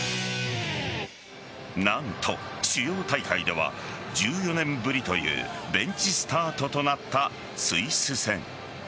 何と、主要大会では１４年ぶりというベンチスタートとなったスイス戦。